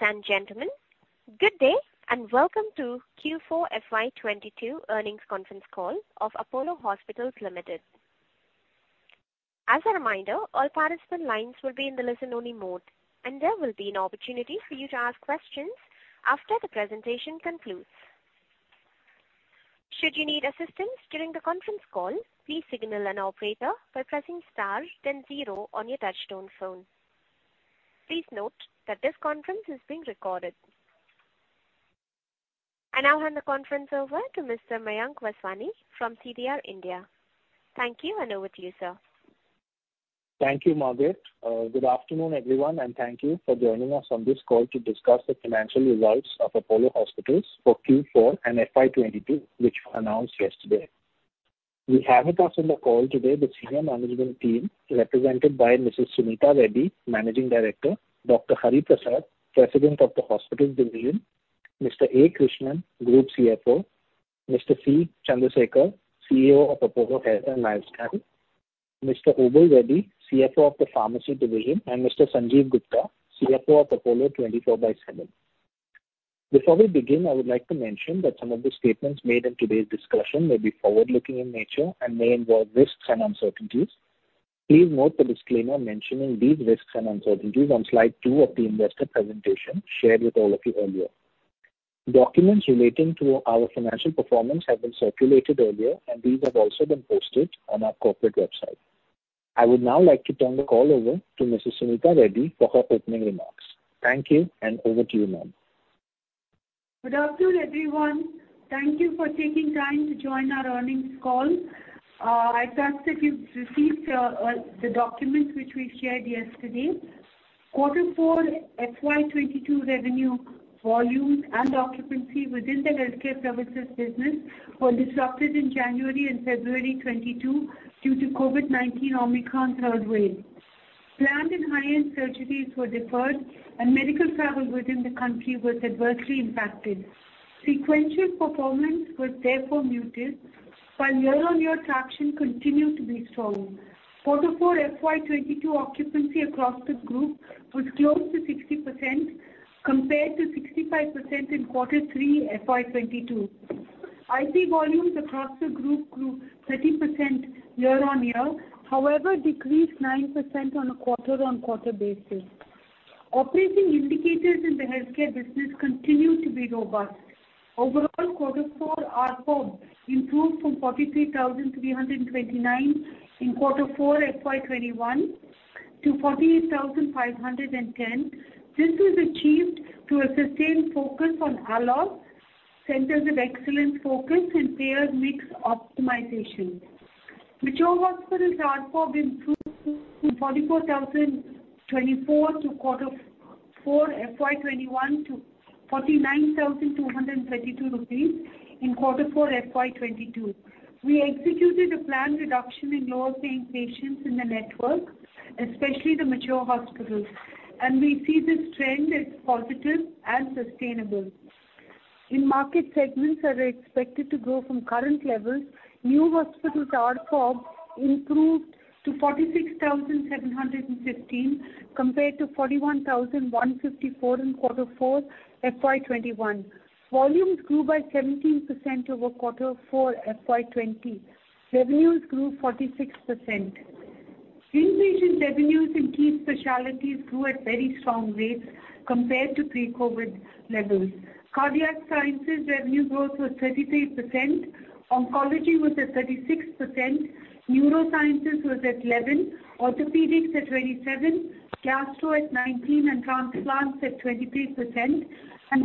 Ladies and gentlemen, good day, and Welcome to Q4 FY22 Earnings Conference Call of Apollo Hospitals Enterprise Limited. As a reminder, all participant lines will be in the listen-only mode, and there will be an opportunity for you to ask questions after the presentation concludes. Should you need assistance during the conference call, please signal an operator by pressing star then zero on your touchtone phone. Please note that this conference is being recorded. I now hand the conference over to Mr. Mayank Vaswani from CDR India. Thank you, and over to you, sir. Thank you, Margaret. Good afternoon, everyone, and thank you for joining us on this call to discuss the financial results of Apollo Hospitals for Q4 and FY22, which we announced yesterday. We have with us on the call today the senior management team represented by Mrs. Suneeta Reddy, Managing Director, Dr. K. Hari Prasad, President of the Hospitals Division, Mr. A. Krishnan, Group CFO, Mr. C. Chandra Sekhar, CEO of Apollo Health and Lifestyle, Mr. Obul Reddy, CFO of the Pharmacy Division, and Mr. Sanjiv Gupta, CFO of Apollo 24/7. Before we begin, I would like to mention that some of the statements made in today's discussion may be forward-looking in nature and may involve risks and uncertainties. Please note the disclaimer mentioning these risks and uncertainties on Slide 2 of the investor presentation shared with all of you earlier. Documents relating to our financial performance have been circulated earlier, and these have also been posted on our corporate website. I would now like to turn the call over to Mrs. Suneeta Reddy for her opening remarks. Thank you, and over to you, ma'am. Good afternoon, everyone. Thank you for taking time to join our earnings call. I trust that you've received the documents which we shared yesterday. Q4 FY22 revenue volumes and occupancy within the healthcare services business were disrupted in January and February 2022 due to COVID-19 Omicron third wave. Planned and high-end surgeries were deferred and medical travel within the country was adversely impacted. Sequential performance was therefore muted, while year-on-year traction continued to be strong. Q4 FY22 occupancy across the group was close to 60% compared to 65% in Q3 FY22. IP volumes across the group grew 30% year-on-year, however decreased 9% on a quarter-on-quarter basis. Operating indicators in the healthcare business continued to be robust. Overall, Q4 ARPB improved from 43,329 in Q4 FY21 to 48,510. This was achieved through a sustained focus on ALOs, Centers of Excellence focus, and payer mix optimization. Mature hospitals ARPB improved from INR 44,024 in Q4 FY21 to 49,232 rupees in Q4 FY22. We executed a planned reduction in lower-paying patients in the network, especially the mature hospitals. We see this trend as positive and sustainable. In market segments that are expected to grow from current levels, new hospitals ARPB improved to 46,715 compared to 41,154 in Q4 FY21. Volumes grew by 17% over Q4 FY20. Revenues grew 46%. Inpatient revenues in key specialties grew at very strong rates compared to pre-COVID levels. Cardiac sciences revenue growth was 33%, oncology was at 36%, neurosciences was at 11%, orthopedics at 27%, gastro at 19%, and transplants at 23%.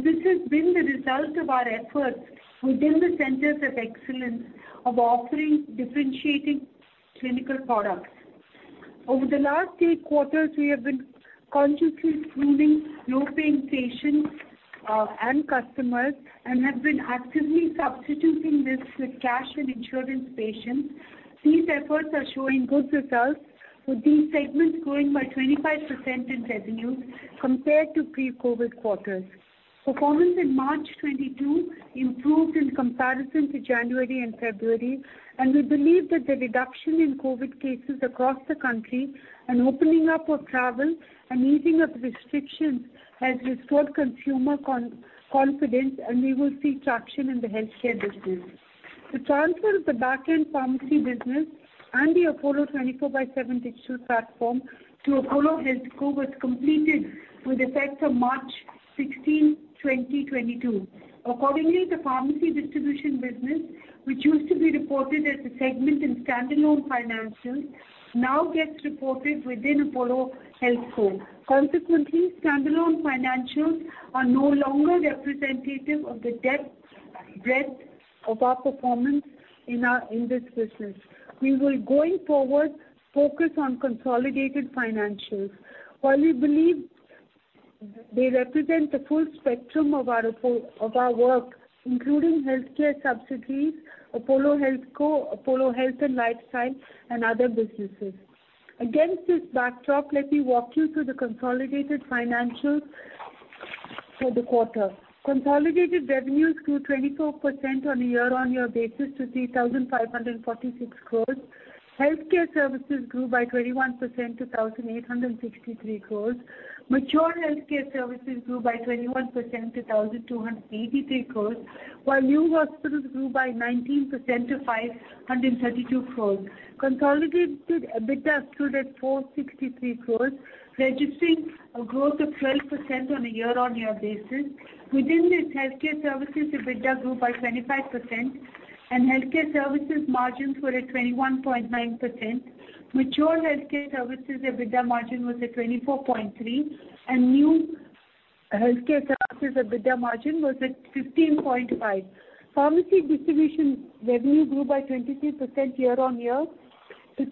This has been the result of our efforts within the centers of excellence of offering differentiating clinical products. Over the last three quarters, we have been consciously pruning low-paying patients and customers and have been actively substituting this with cash and insurance patients. These efforts are showing good results, with these segments growing by 25% in revenue compared to pre-COVID quarters. Performance in March 2022 improved in comparison to January and February, and we believe that the reduction in COVID cases across the country and opening up of travel and easing of restrictions has restored consumer confidence, and we will see traction in the healthcare business. The transfer of the back-end pharmacy business and the Apollo 24/7 digital platform to Apollo HealthCo was completed with effect from March 16, 2022. Accordingly, the pharmacy distribution business, which used to be reported as a segment in standalone financials, now gets reported within Apollo HealthCo. Consequently, standalone financials are no longer representative of the depth, breadth of our performance in this business. We will, going forward, focus on consolidated financials, while we believe they represent the full spectrum of our work, including healthcare subsidiaries, Apollo HealthCo, Apollo Health and Lifestyle, and other businesses. Against this backdrop, let me walk you through the consolidated financials for the quarter. Consolidated revenues grew 24% on a year-on-year basis to 3,546 crores. Healthcare services grew by 21% to 1,863 crores. Mature healthcare services grew by 21% to 1,283 crores, while new hospitals grew by 19% to 532 crores. Consolidated EBITDA stood at 463 crores, registering a growth of 12% on a year-on-year basis. Within this, healthcare services EBITDA grew by 25%, and healthcare services margins were at 21.9%. Mature healthcare services EBITDA margin was at 24.3%, and new healthcare services EBITDA margin was at 15.5%. Pharmacy distribution revenue grew by 22% year-on-year to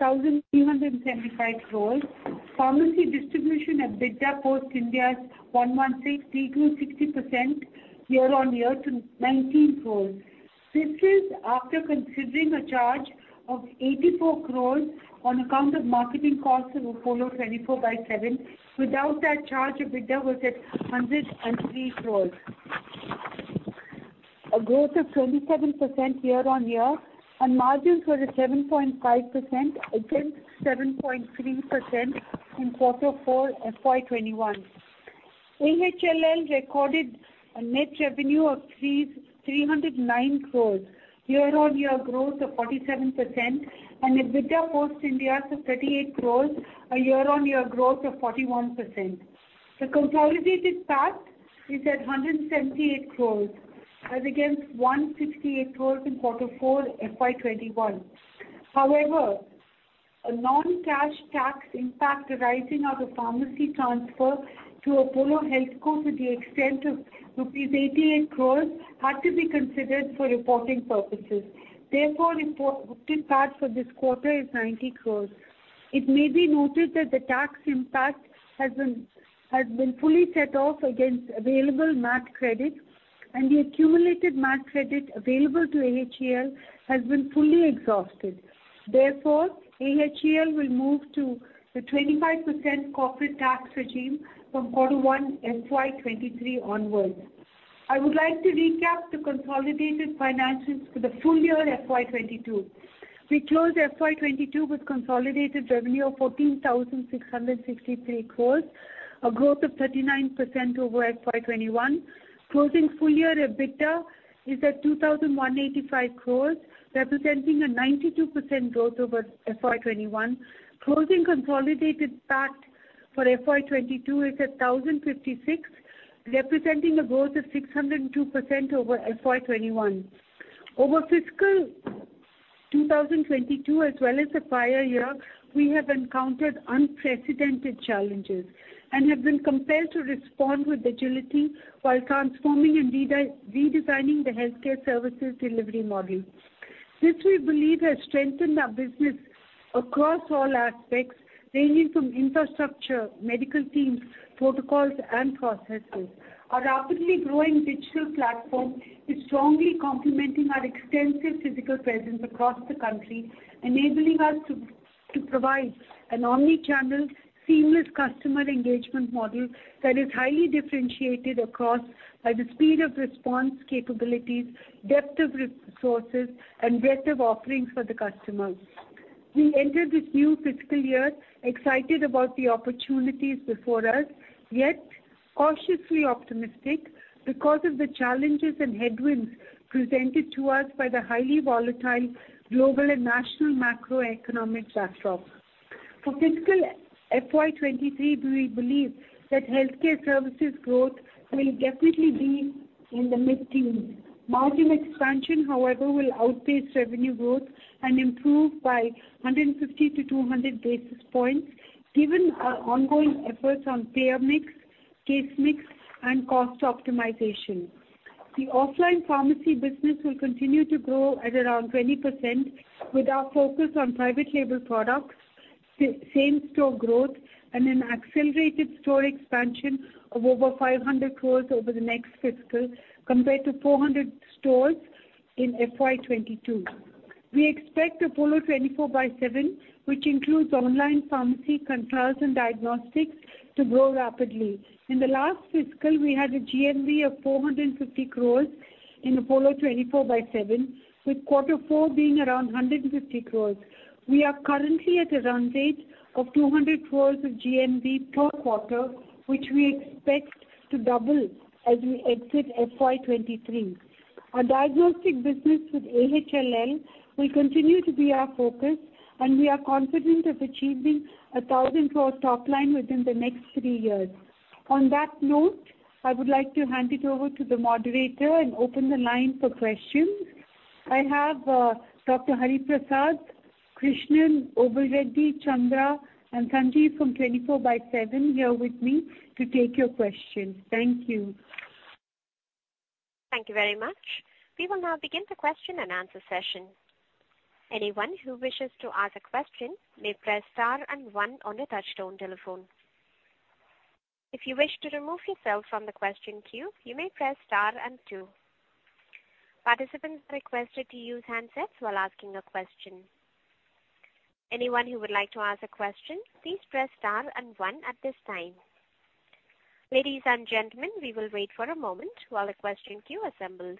INR 1,375 crores. Pharmacy distribution EBITDA post Ind AS 116 grew 60% year-on-year to 19 crores. This is after considering a charge of 84 crores on account of marketing costs of Apollo 24/7. Without that charge, EBITDA was at 103 crores. A growth of 27% year-on-year, and margins were at 7.5% against 7.3% in Q4 FY21. AHLL recorded a net revenue of 309 crores, year-on-year growth of 47%, and EBITDA post Ind AS 116 of 38 crores, a year-on-year growth of 41%. The consolidated PAT is at 178 crores as against 168 crores in Q4 FY21. However, a non-cash tax impact arising out of pharmacy transfer to Apollo HealthCo to the extent of rupees 88 crores had to be considered for reporting purposes. Therefore, reported booked PAT for this quarter is 90 crores. It may be noted that the tax impact has been fully set off against available MAT credits, and the accumulated MAT credit available to AHEL has been fully exhausted. Therefore, AHEL will move to the 25% corporate tax regime from Q1 FY23 onwards. I would like to recap the consolidated financials for the full year FY22. We closed FY22 with consolidated revenue of 14,663 crores, a growth of 39% over FY21. Closing full year EBITDA is at 2,185 crores, representing a 92% growth over FY21. Closing consolidated PAT for FY22 is at 1,056 crores, representing a growth of 602% over FY21. Over FY 2022 as well as the prior year, we have encountered unprecedented challenges and have been compelled to respond with agility while transforming and redesigning the healthcare services delivery model. This, we believe, has strengthened our business across all aspects, ranging from infrastructure, medical teams, protocols and processes. Our rapidly growing digital platform is strongly complementing our extensive physical presence across the country, enabling us to provide an omni-channel seamless customer engagement model that is highly differentiated by the speed of response capabilities, depth of resources, and breadth of offerings for the customers. We enter this new FY excited about the opportunities before us, yet cautiously optimistic because of the challenges and headwinds presented to us by the highly volatile global and national macroeconomic backdrop. For FY23, we believe that healthcare services growth will definitely be in the mid-teens. Margin expansion, however, will outpace revenue growth and improve by 150-200 basis points given our ongoing efforts on payer mix, case mix, and cost optimization. The offline pharmacy business will continue to grow at around 20% with our focus on private label products, same store growth, and an accelerated store expansion of over 500 crore over the next FY compared to 400 stores in FY22. We expect Apollo 24/7, which includes online pharmacy, consultations, and diagnostics, to grow rapidly. In the last FY, we had a GMV of 450 crore in Apollo 24/7, with Q4 being around 150 crore. We are currently at a run rate of 200 crore of GMV per quarter, which we expect to double as we exit FY23. Our diagnostic business with AHLL will continue to be our focus, and we are confident of achieving a 1,000 crore top line within the next three years. On that note, I would like to hand it over to the moderator and open the line for questions. I have Dr. Hari Prasad, Krishnan, Oberoi, Chandra, and Sanjiv from 24/7 here with me to take your questions. Thank you. Thank you very much. We will now begin the Q&A session. Anyone who wishes to ask a question may press star and one on the touchtone telephone. If you wish to remove yourself from the question queue, you may press star and two. Participants are requested to use handsets while asking a question. Anyone who would like to ask a question, please press star and one at this time. Ladies and gentlemen, we will wait for a moment while the question queue assembles.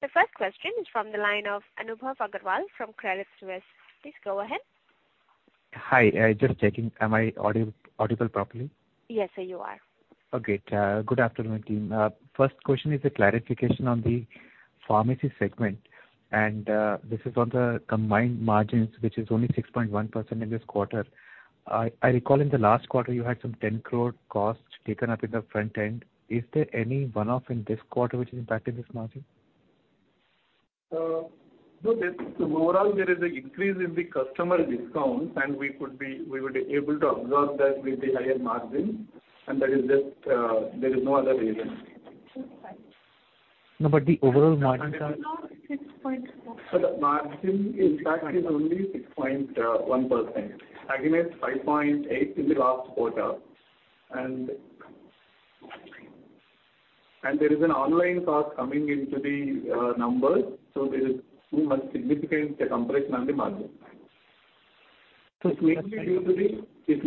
The first question is from the line of Anubhav Aggarwal from Credit Suisse Group AG. Please go ahead. Hi. Just checking. Am I audible properly? Yes, sir, you are. Oh, great. Good afternoon, team. First question is a clarification on the pharmacy segment, and this is on the combined margins, which is only 6.1% in this quarter. I recall in the last quarter you had some 10 crore costs taken up in the front end. Is there any one-off in this quarter which is impacting this margin? No. Overall, there is an increase in the customer discounts, and we would be able to absorb that with the higher margin, and that is just. There is no other reason. No, but the overall margin. It is now 6.4. The margin impact is only 6.1% against 5.8% in the last quarter. There is an online cost coming into the numbers, so there is too much significance to compression on the margin. So- It's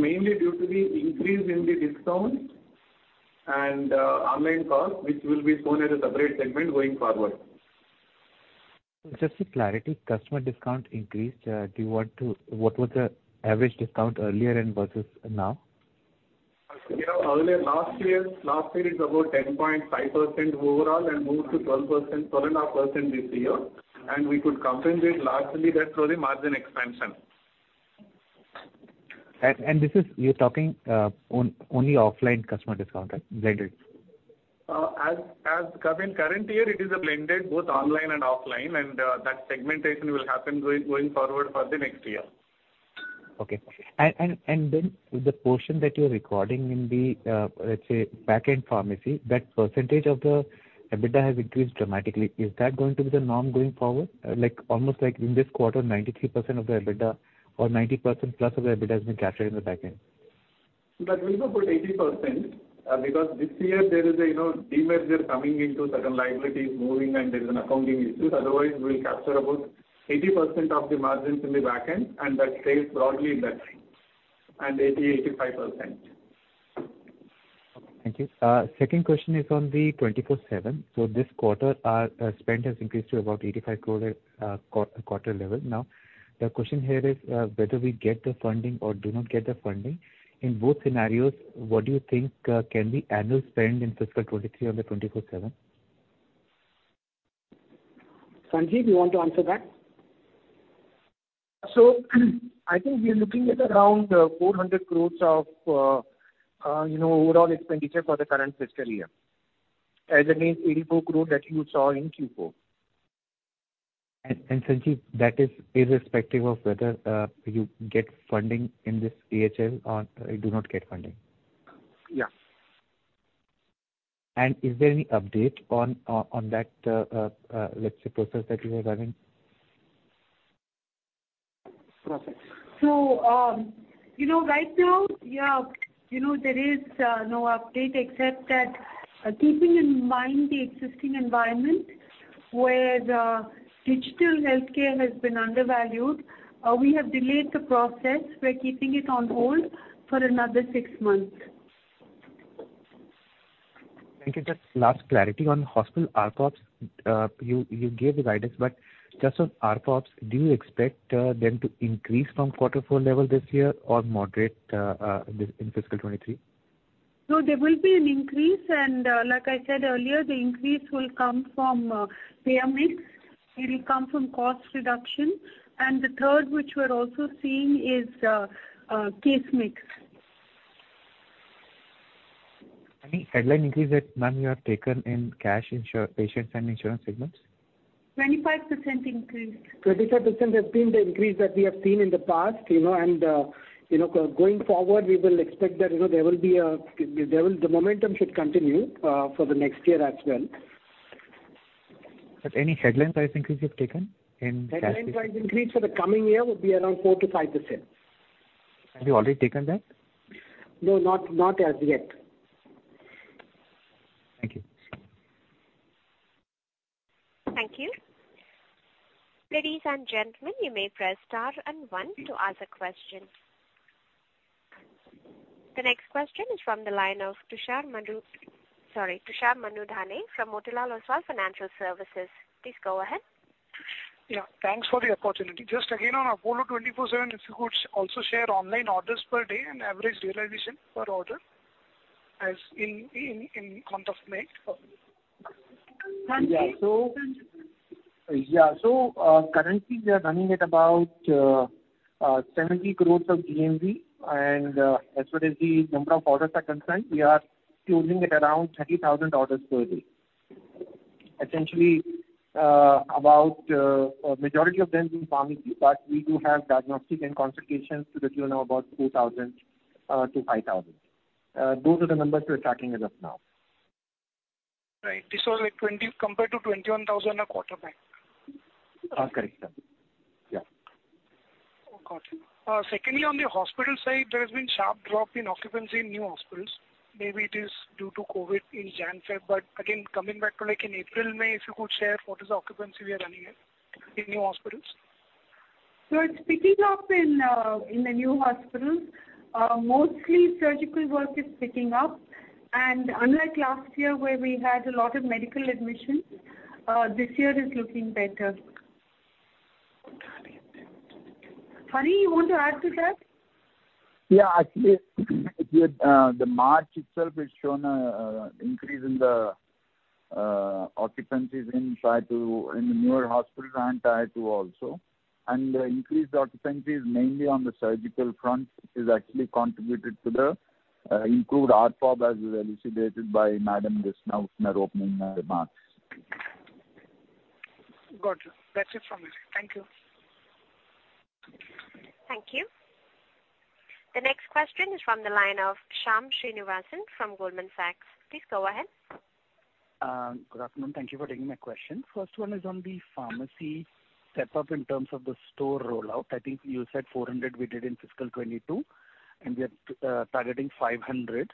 mainly due to the increase in the discount and online cost, which will be shown as a separate segment going forward. Just for clarity, customer discount increased. What was the average discount earlier and versus now? You know, earlier, last year it's about 10.5% overall and moved to 12%, 12.5% this year, and we could compensate largely that through the margin expansion. This is, you're talking only offline customer discount, is that it? As of current year, it is a blend of both online and offline, and that segmentation will happen going forward for the next year. The portion that you're recording in the, let's say, backend pharmacy, that percentage of the EBITDA has increased dramatically. Is that going to be the norm going forward? Like, almost like in this quarter, 93% of the EBITDA or 90%+ of the EBITDA has been captured in the backend. That will be about 80%, because this year there is, you know, a demerger coming into certain liabilities moving and there's an accounting issue. Otherwise, we'll capture about 80% of the margins in the backend, and that stays broadly in that range, and 80%-85%. Thank you. Second question is on the 24/7. This quarter, spend has increased to about 85 crore, quarter level. Now, the question here is, whether we get the funding or do not get the funding. In both scenarios, what do you think can be annual spend in FY23 on the 24/7? Sanjeev, you want to answer that? I think we are looking at around 400 crores of, you know, overall expenditure for the current FY, as against 84 crore that you saw in Q4. Sanjeev, that is irrespective of whether you get funding in this AHL or you do not get funding. Yeah. Is there any update on that, let's say, process that you were having? Process. You know, right now, yeah, you know, there is no update except that, keeping in mind the existing environment where the digital healthcare has been undervalued, we have delayed the process. We're keeping it on hold for another six months. Thank you. Just last clarity on hospital RPOPS. You gave the guidance, but just on RPOPS, do you expect them to increase from quarter four level this year or moderate in FY 2023? No, there will be an increase, and like I said earlier, the increase will come from payer mix, it'll come from cost reduction, and the third, which we're also seeing, is case mix. Any headline increase that, ma'am, you have taken in cash, insurance patients, and insurance segments? 25% increase. 25% has been the increase that we have seen in the past, you know, and going forward, we will expect that, you know, the momentum should continue for the next year as well. Any headwinds or increase you've taken in cash. Headline price increase for the coming year will be around 4%-5%. Have you already taken that? No, not as yet. Thank you. Thank you. Ladies and gentlemen, you may press star and one to ask a question. The next question is from the line of Tushar Manudhane from Motilal Oswal Financial Services Limited. Please go ahead. Yeah, thanks for the opportunity. Just again, on Apollo 24/7, if you could also share online orders per day and average realization per order as in month of May. Sanjeev. Yeah. Sanjeev. Currently we are running at about 70 crore of GMV. As far as the number of orders are concerned, we are closing at around 30,000 orders per day. Essentially, about a majority of them in pharmacy, but we do have diagnostic and consultations to the tune of about 2,000 to 5,000. Those are the numbers we're tracking as of now. Right. This was like 20 compared to 21,000 a quarter back. Correct. Yeah. Got you. Secondly, on the hospital side, there has been sharp drop in occupancy in new hospitals. Maybe it is due to COVID in January, February. Again, coming back to like in April, May if you could share what is the occupancy we are running at in new hospitals? It's picking up in the new hospitals. Mostly surgical work is picking up. Unlike last year, where we had a lot of medical admissions, this year is looking better. Hari, you want to add to that? Yeah, actually, the March itself has shown a increase in the occupancies in Tier 2, in the newer hospitals and Tier 2 also. The increased occupancy is mainly on the surgical front, which has actually contributed to the improved RPOP as elucidated by Madam this now in her opening remarks. Got you. That's it from me. Thank you. Thank you. The next question is from the line of Shyam Srinivasan from Goldman Sachs. Please go ahead. Good afternoon. Thank you for taking my question. First one is on the pharmacy step up in terms of the store rollout. I think you said 400 we did in FY22, and we are targeting 500.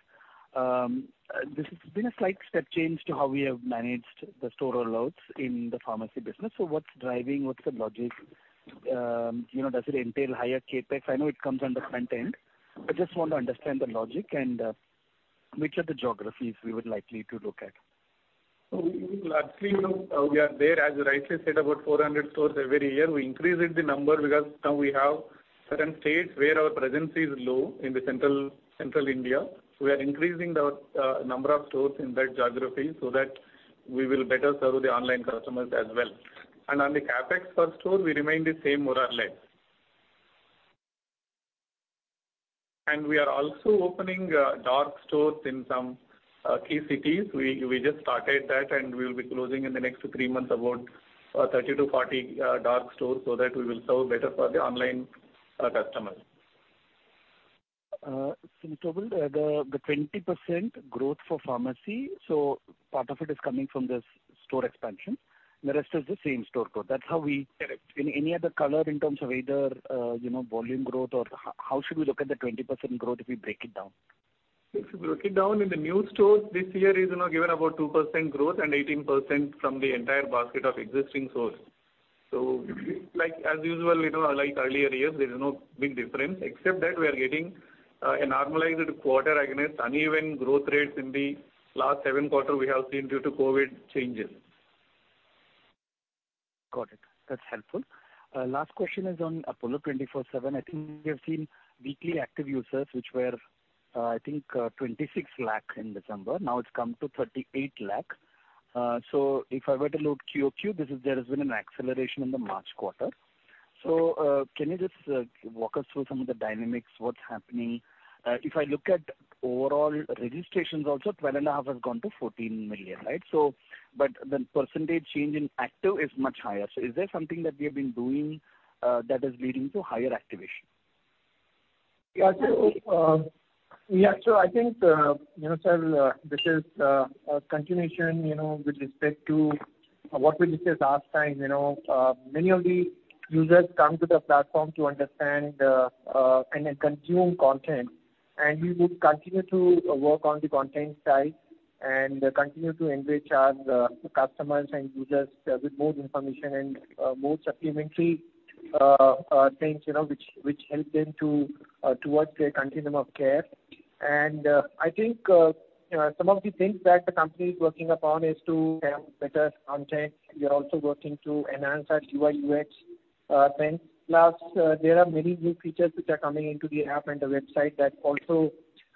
This has been a slight step change to how we have managed the store rollouts in the pharmacy business. What's driving? What's the logic? You know, does it entail higher CapEx? I know it comes on the front end, but just want to understand the logic and which are the geographies we would likely to look at. Largely, you know, we are there, as you rightly said, about 400 stores every year. We increased the number because now we have certain states where our presence is low in the central India. We are increasing the number of stores in that geography so that we will better serve the online customers as well. On the CapEx per store, we remain the same more or less. We are also opening dark stores in some key cities. We just started that, and we will be closing in the next three months about 30-40 dark stores so that we will serve better for the online customers. In total the 20% growth for pharmacy, part of it is coming from this store expansion. The rest is the same store growth. That's how we. Correct. Any other color in terms of either, you know, volume growth or how should we look at the 20% growth if we break it down? If you break it down in the new stores this year is, you know, given about 2% growth and 18% from the entire basket of existing stores. Like, as usual, you know, like earlier years, there is no big difference except that we are getting a normalized quarter against uneven growth rates in the last 7-quarters we have seen due to COVID changes. Got it. That's helpful. Last question is on Apollo 24/7. I think we have seen weekly active users, which were, I think, 26 lakh in December. Now it's come to 38 lakh. If I were to look QOQ, there has been an acceleration in the March quarter. Can you just walk us through some of the dynamics, what's happening? If I look at overall registrations also 12.5 has gone to 14 million, right? But the percentage change in active is much higher. Is there something that we have been doing that is leading to higher activation? I think you know, Shyam, this is a continuation you know, with respect to what we discussed last time. You know, many of the users come to the platform to understand and consume content. We would continue to work on the content side and continue to enrich our customers and users with more information and more supplementary things you know, which help them towards their continuum of care. I think you know, some of the things that the company is working upon is to have better content. We are also working to enhance our UI UX things. Plus, there are many new features which are coming into the app and the website that also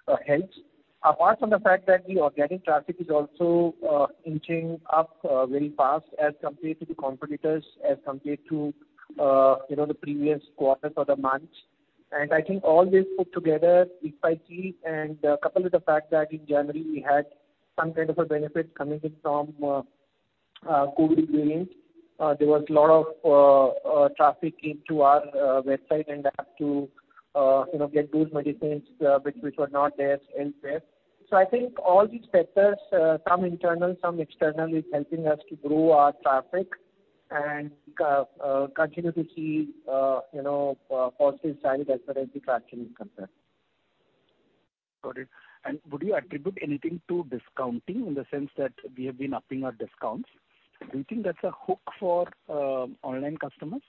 helps. Apart from the fact that the organic traffic is also inching up very fast as compared to the competitors, you know, the previous quarters or the months. I think all this put together piece by piece and coupled with the fact that in January we had some kind of a benefit coming in from COVID variant. There was a lot of traffic into our website and app to, you know, get those medicines which were not there elsewhere. I think all these factors, some internal, some external, is helping us to grow our traffic and continue to see, you know, positive side as far as the traction is concerned. Got it. Would you attribute anything to discounting in the sense that we have been upping our discounts? Do you think that's a hook for online customers?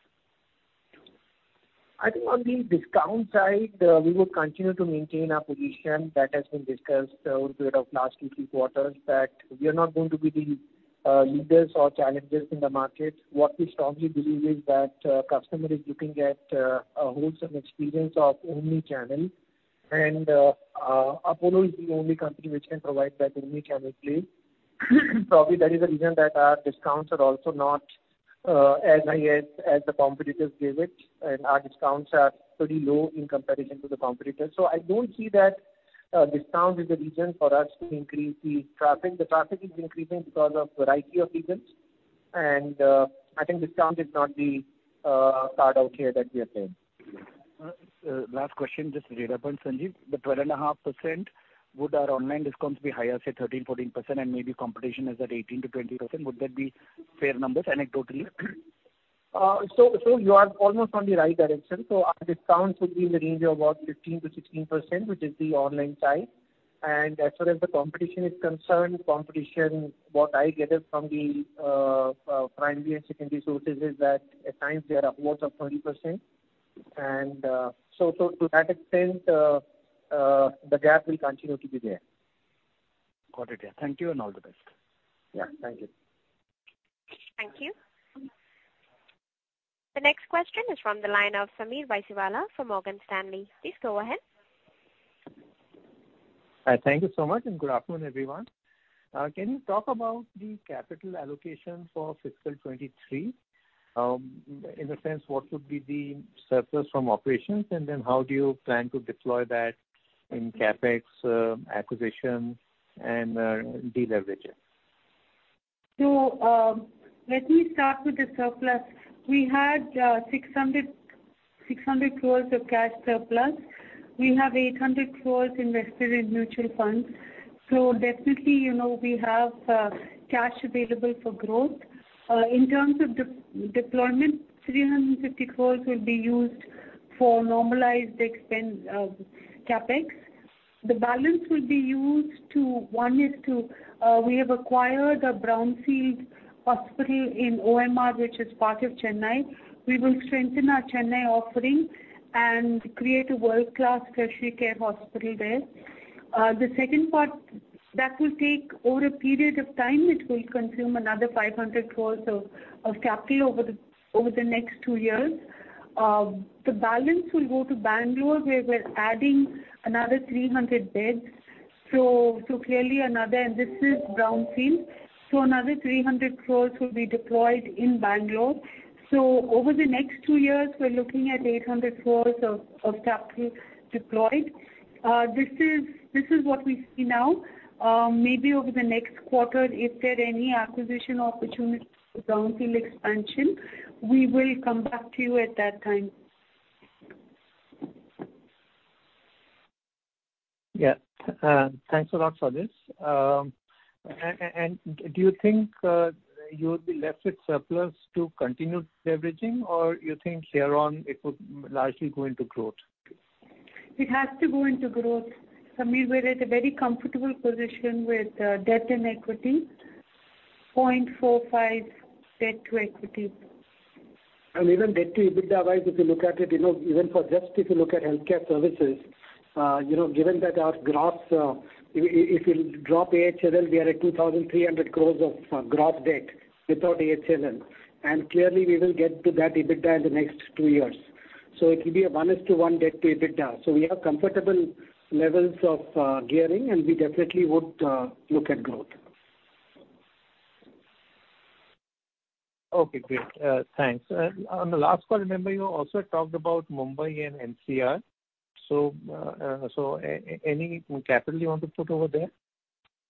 I think on the discount side, we would continue to maintain our position that has been discussed over a period of last 2 quarters, 3 quarters, that we are not going to be the leaders or challengers in the market. What we strongly believe is that customer is looking at a wholesome experience of omni channel. Apollo is the only company which can provide that omni channel play. Probably that is the reason that our discounts are also not as high as the competitors give it. Our discounts are pretty low in comparison to the competitors. I don't see that discount is the reason for us to increase the traffic. The traffic is increasing because of variety of reasons. I think discount is not the card out here that we are playing. Last question, just to zero in, Sanjeev. The 12.5%, would our online discounts be higher, say 13%, 14% and maybe competition is at 18%-20%? Would that be fair numbers anecdotally? You are almost on the right direction. Our discounts would be in the range of about 15%-16%, which is the online side. As far as the competition is concerned, what I gather from the primary and secondary sources is that at times they are upwards of 20%. To that extent, the gap will continue to be there. Got it. Yeah. Thank you and all the best. Yeah, thank you. Thank you. The next question is from the line of Sameer Baisiwala from Morgan Stanley. Please go ahead. Hi. Thank you so much, and good afternoon, everyone. Can you talk about the capital allocation for FY 2023? In a sense, what would be the surplus from operations and then how do you plan to deploy that in CapEx, acquisition and deleverage it? Let me start with the surplus. We had 600 crore of cash surplus. We have 800 crore invested in mutual funds. Definitely, you know, we have cash available for growth. In terms of deployment, 350 crore will be used for normalized expense CapEx. The balance will be used to. One is to, we have acquired a brownfield hospital in OMR, which is part of Chennai. We will strengthen our Chennai offering and create a world-class tertiary care hospital there. The second part, that will take over a period of time. It will consume another 500 crore of capital over the next two years. The balance will go to Bangalore where we're adding another 300 beds. Clearly another. And this is brownfield. Another 300 crore will be deployed in Bangalore. Over the next two years we're looking at 800 crore of capital deployed. This is what we see now. Maybe over the next quarter if there are any acquisition opportunities for brownfield expansion, we will come back to you at that time. Yeah. Thanks a lot for this. Do you think you would be left with surplus to continue leveraging or you think here on it would largely go into growth? It has to go into growth. Sameer, we're at a very comfortable position with debt and equity, 0.45 debt to equity. Even debt to EBITDA wise, if you look at it, you know, even for just if you look at healthcare services, you know, given that our gross, if you drop AHLL, we are at 2,300 crore of gross debt without AHLL. Clearly we will get to that EBITDA in the next two years. It'll be a 1:1 debt to EBITDA. We have comfortable levels of gearing, and we definitely would look at growth. Okay, great. Thanks. On the last call, remember you also talked about Mumbai and NCR. Any capital you want to put over there?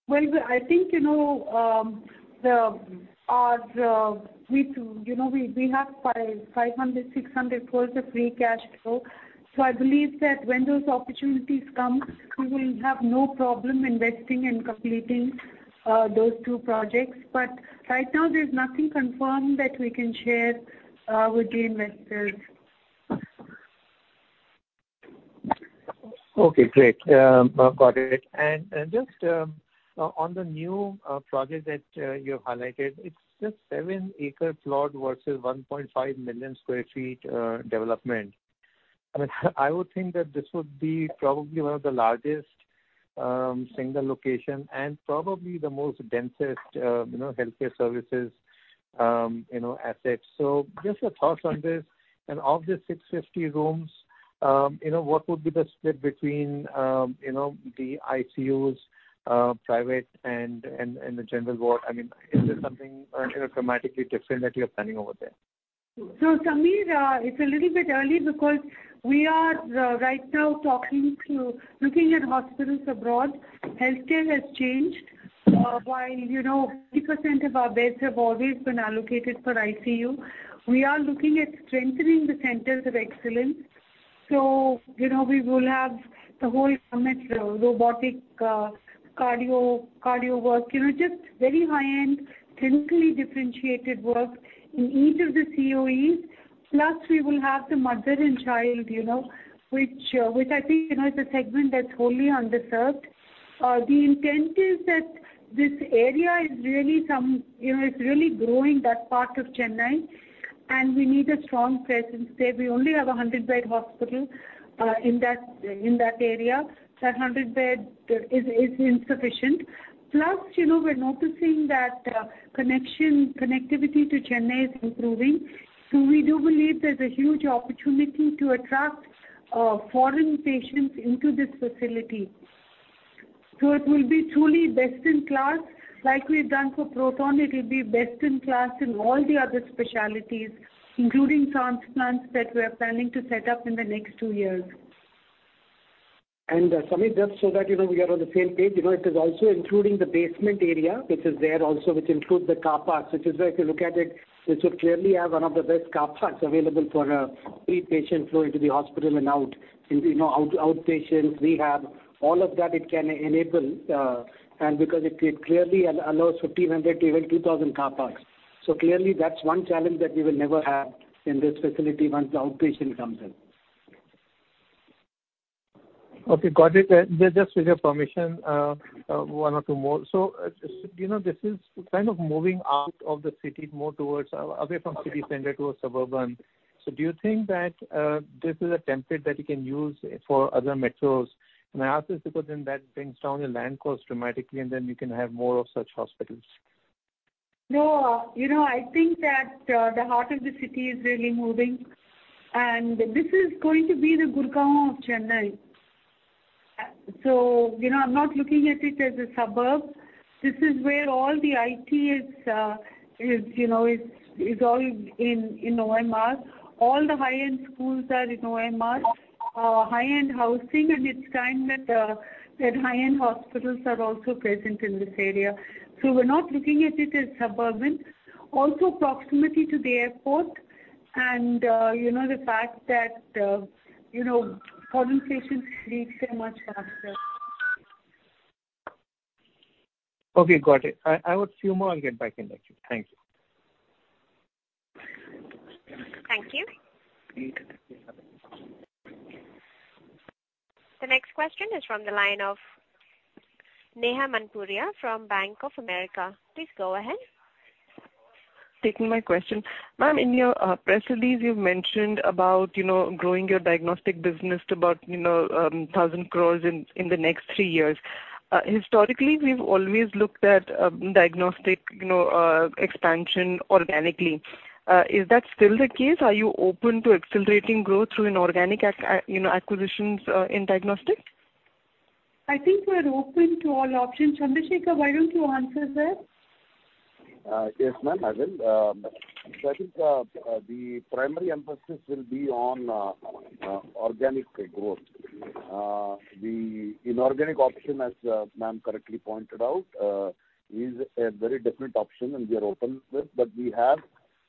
Well, I think, you know, we have 500-600 crores of free cash flow. I believe that when those opportunities come, we will have no problem investing and completing those two projects. Right now there's nothing confirmed that we can share with the investors. Okay, great. Got it. And just on the new project that you have highlighted, it's just 7-acre plot versus 1.5 million sq ft development. I mean, I would think that this would be probably one of the largest single location and probably the most densest, you know, healthcare services, you know, assets. So just your thoughts on this. Of the 650 rooms, you know, what would be the split between, you know, the ICUs, private and the general ward? I mean, is there something, you know, dramatically different that you're planning over there? Sameer, it's a little bit early because we are right now looking at hospitals abroad. Healthcare has changed. While, you know, 30% of our beds have always been allocated for ICU, we are looking at strengthening the centers of excellence. You know, we will have the whole gamut, robotic, cardio work. You know, just very high-end clinically differentiated work in each of the COEs. Plus we will have the mother and child, you know, which I think, you know, is a segment that's wholly underserved. The intent is that this area is really growing that part of Chennai, and we need a strong presence there. We only have a 100-bed hospital in that area. That 100-bed is insufficient. You know, we're noticing that connectivity to Chennai is improving. We do believe there's a huge opportunity to attract foreign patients into this facility. It will be truly best in class. Like we've done for Proton, it will be best in class in all the other specialties, including transplants that we're planning to set up in the next two years. Sameer, just so that, you know, we are on the same page, you know, it is also including the basement area which is there also, which includes the car parks, which is where if you look at it, this will clearly have one of the best car parks available for pre-patient flow into the hospital and out. In, you know, outpatients, rehab, all of that it can enable, and because it clearly allows 1,500 to even 2,000 car parks. Clearly that's one challenge that we will never have in this facility once the outpatient comes in. Okay, got it. Just with your permission, one or two more. You know, this is kind of moving out of the city more towards away from city center towards suburban. Do you think that this is a template that you can use for other metros? And I ask this because then that brings down your land costs dramatically, and then you can have more of such hospitals. No. You know, I think that the heart of the city is really moving, and this is going to be the Gurgaon of Chennai. You know, I'm not looking at it as a suburb. This is where all the IT is, you know, all in OMR. All the high-end schools are in OMR. High-end housing, and it's time that high-end hospitals are also present in this area. We're not looking at it as suburban. Also proximity to the airport and, you know, the fact that, you know, foreign patients reach here much faster. Okay, got it. I have a few more. I'll get back in touch with you. Thank you. Thank you. Please connect the other line. The next question is from the line of Neha Manpuria from Bank of America Corporation. Please go ahead. Taking my question. Ma'am, in your press release, you've mentioned about, you know, growing your diagnostic business to about, you know, 1,000 crore in the next three years. Historically, we've always looked at diagnostic, you know, expansion organically. Is that still the case? Are you open to accelerating growth through inorganic acquisitions in diagnostics? I think we're open to all options. Chandrasekhar, why don't you answer that? Yes, ma'am, I will. I think the primary emphasis will be on organic growth. The inorganic option, as ma'am correctly pointed out, is a very different option, and we are open to it, but we have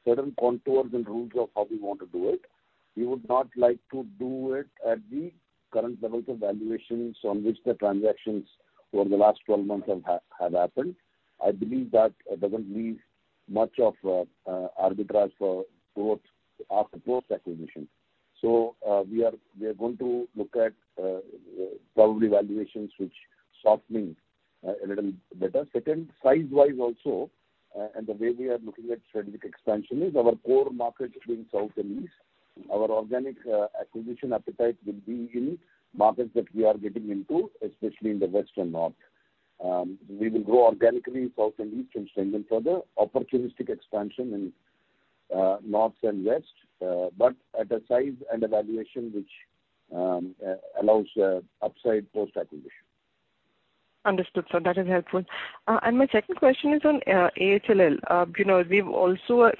certain contours and rules of how we want to do it. We would not like to do it at the current levels of valuations on which the transactions over the last 12 months have happened. I believe that doesn't leave much of arbitrage for growth after post-acquisition. We are going to look at probably valuations which softening a little better. Second, size-wise also, and the way we are looking at strategic expansion is our core markets being South and East. Our organic acquisition appetite will be in markets that we are getting into, especially in the West and North. We will grow organically South and East and strengthen further, opportunistic expansion in North and West, but at a size and a valuation which allows upside post-acquisition. Understood, sir. That is helpful. My second question is on AHLL. You know, we've also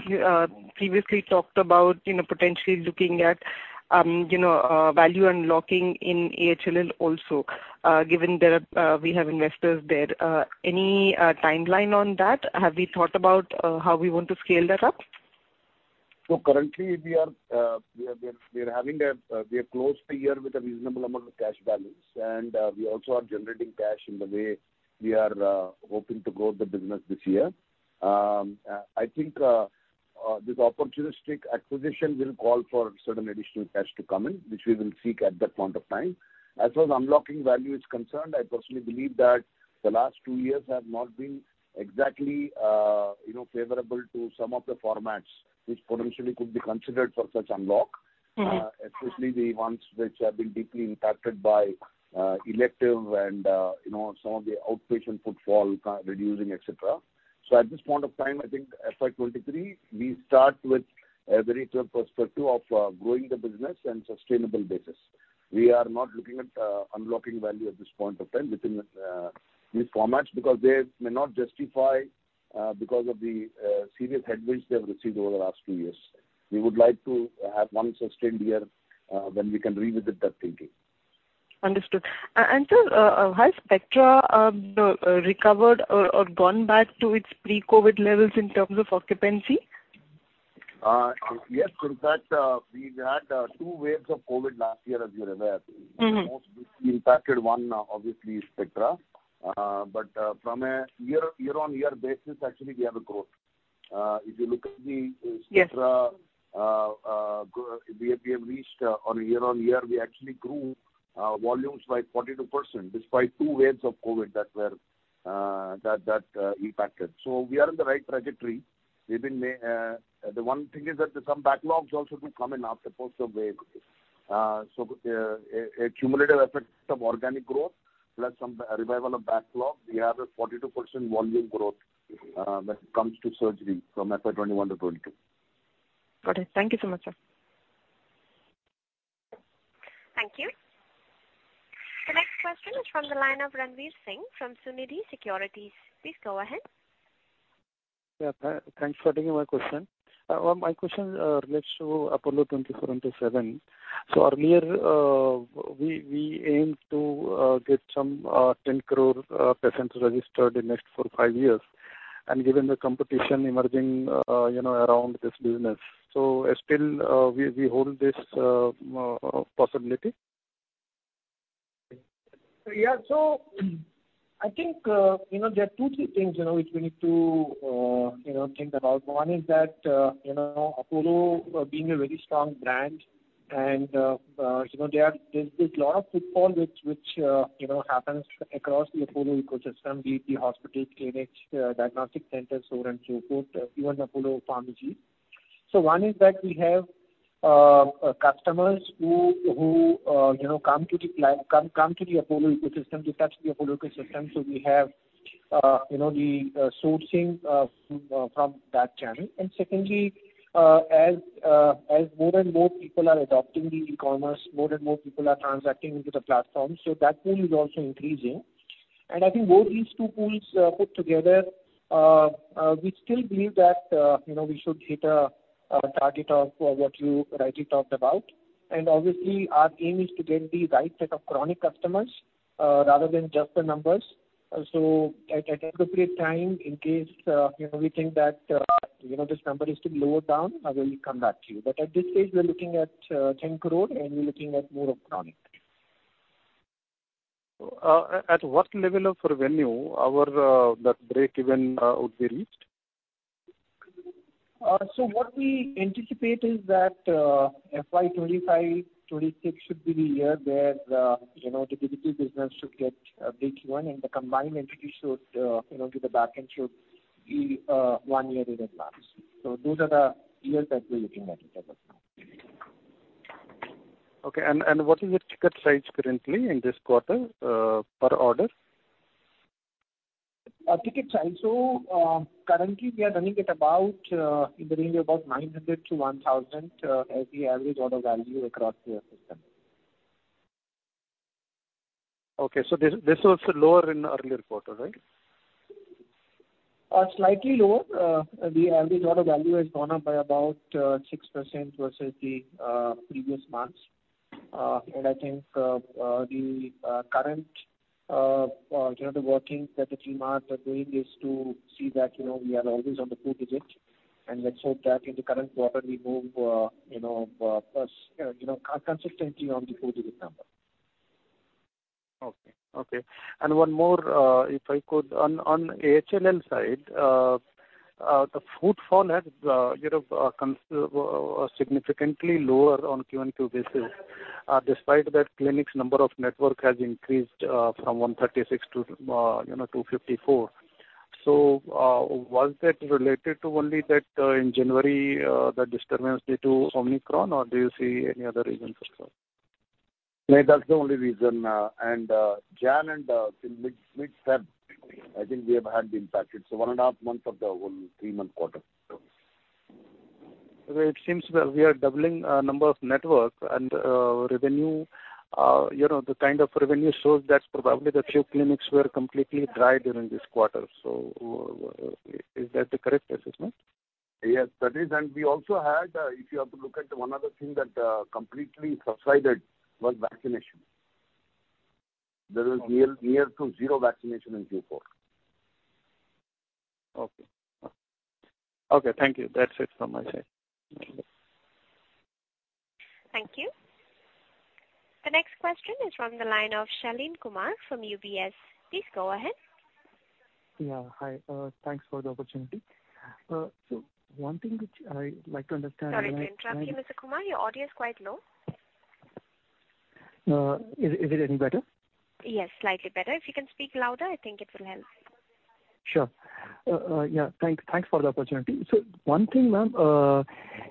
previously talked about, you know, potentially looking at value unlocking in AHLL also, given we have investors there. Any timeline on that? Have we thought about how we want to scale that up? Currently we have closed the year with a reasonable amount of cash balance, and we also are generating cash in the way we are hoping to grow the business this year. I think this opportunistic acquisition will call for certain additional cash to come in, which we will seek at that point of time. As far as unlocking value is concerned, I personally believe that the last two years have not been exactly, you know, favorable to some of the formats which potentially could be considered for such unlock. Mm-hmm. Especially the ones which have been deeply impacted by elective and, you know, some of the outpatient footfall kind reducing, et cetera. At this point of time, I think FY23, we start with a very clear perspective of growing the business in sustainable basis. We are not looking at unlocking value at this point of time within these formats because they may not justify because of the serious headwinds they have received over the last two years. We would like to have one sustained year when we can revisit that thinking. Understood. Sir, has Spectra recovered or gone back to its pre-COVID levels in terms of occupancy? Yes, to that, we've had two waves of COVID last year, as you're aware. Mm-hmm. The most impacted one obviously is Spectra. From a year-on-year basis, actually we have a growth. If you look at the- Yes. Spectra. We have reached on a year-on-year, we actually grew volumes by 42% despite two waves of COVID that impacted. We are in the right trajectory. We've been. The one thing is that there's some backlogs also to come in after post the wave. A cumulative effect of organic growth, plus some revival of backlog, we have a 42% volume growth when it comes to surgery from FY21 to FY22. Got it. Thank you so much, sir. Thank you. The next question is from the line of Ranvir Singh from Sunidhi Securities & Finance Ltd. Please go ahead. Thanks for taking my question. My question relates to Apollo 24/7. Earlier, we aimed to get some 10 crore patients registered in next 4-5 years. Given the competition emerging, you know, around this business. Still, we hold this possibility? I think there are two, three things which we need to think about. One is that Apollo being a very strong brand and there's a lot of footfall which happens across the Apollo ecosystem, be it the hospital, clinics, diagnostic centers, so on and so forth, even Apollo Pharmacy. One is that we have the sourcing from that channel. Secondly, as more and more people are adopting e-commerce, more and more people are transacting into the platform, so that pool is also increasing. I think both these two pools put together, we still believe that, you know, we should hit a target of what you rightly talked about. Obviously, our aim is to get the right set of chronic customers rather than just the numbers. At appropriate time, in case, you know, we think that, you know, this number is to be lower down, I will come back to you. But at this stage, we are looking at 10 crore and we are looking at more of chronic. At what level of revenue or that breakeven would be reached? What we anticipate is that, FY25, FY26 should be the year where the, you know, the B2B business should get breakeven, and the combined entity should, you know, do the backend should be, one year in advance. Those are the years that we are looking at it at this time. Okay. What is your ticket size currently in this quarter, per order? Our ticket size. Currently we are running at about in the range of about 900-1,000 as the average order value across the system. This was lower in earlier quarter, right? Slightly lower. The average order value has gone up by about 6% versus the previous months. I think the current, you know, the working that the team are doing is to see that, you know, we are always on the four-digit. Let's hope that in the current quarter we move, you know, plus, you know, consistently on the four-digit number. Okay. One more, if I could. On AHLL side, the footfall has been significantly lower on Q-on-Q basis. Despite that, the number of clinics in the network has increased from 136 to, you know, 254. Was that related to only that in January, the disturbance due to Omicron, or do you see any other reason for that? No, that's the only reason. January and till mid-February, I think we have had the impact. It's one and a half month of the whole 3-month quarter. Okay. It seems we are doubling number of network and revenue. You know, the kind of revenue shows that probably the few clinics were completely dry during this quarter. Is that the correct assessment? Yes, that is. We also had, if you have to look at one other thing that, completely subsided was vaccination. There was near to zero vaccination in Q4. Okay. Okay, thank you. That's it from my side. Thank you. The next question is from the line of Shaleen Kumar from UBS. Please go ahead. Yeah. Hi. Thanks for the opportunity. One thing which I like to understand- Sorry to interrupt you, Mr. Kumar. Your audio is quite low. Is it any better? Yes, slightly better. If you can speak louder, I think it will help. Thanks for the opportunity. One thing, ma'am,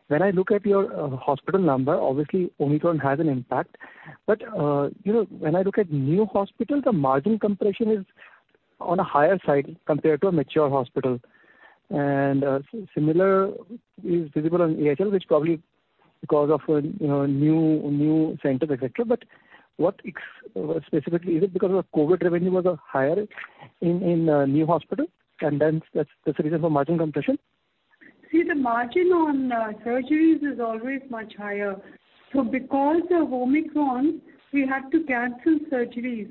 when I look at your hospital number, obviously Omicron has an impact. You know, when I look at new hospital, the margin compression is on a higher side compared to a mature hospital. Similar is visible on AHL, which probably because of you know, new centers, et cetera. What specifically is it because of the COVID revenue was higher in new hospital, and then that's the reason for margin compression? See, the margin on surgeries is always much higher. Because of Omicron, we had to cancel surgeries